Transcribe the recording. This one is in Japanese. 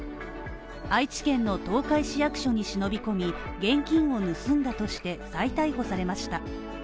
愛知県の東海市役所に忍び込み現金を盗んだとして、再逮捕されました。